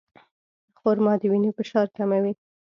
خرما د وینې فشار کموي.